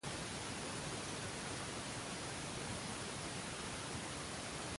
El concurso reparte una buena suma de dinero entre sus concursantes.